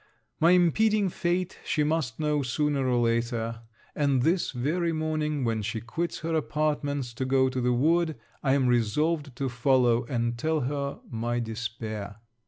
My impending fate she must know sooner or later, and this very morning, when she quits her apartments to go to the wood, I am resolved to follow, and tell her my despair.